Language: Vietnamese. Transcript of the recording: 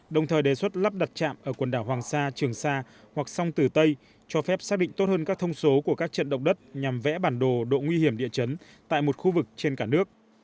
đồng thời đề xuất lắp đặt trạm ở quần đảo hoàng sa trường sa hoặc sông tử tây cho phép xác định tốt hơn các thông số của các trận động đất nhằm vẽ bản đồ độ nguy hiểm địa chấn tại một khu vực trên cả nước